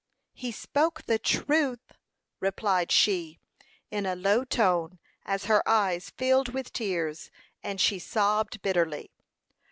"He spoke the truth," replied she, in a low tone, as her eyes filled with tears, and she sobbed bitterly.